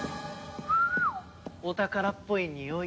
お宝っぽいにおい。